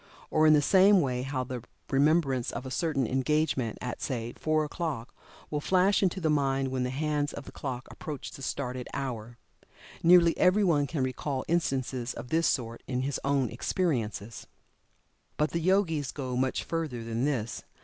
Or, in the same way how the remembrance of a certain engagement at, say, four o'clock, will flash into the mind when the hands of the clock approach the stated hour. Nearly every one can recall instances of this sort in his own experience. But the Yogis go much further than this.